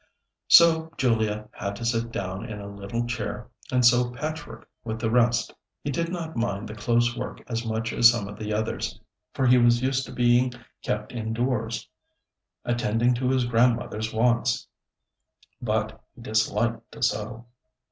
So Julia had to sit down in a little chair, and sew patchwork with the rest. He did not mind the close work as much as some of the others, for he was used to being kept indoors, attending to his Grandmothers' wants; but he disliked to sew.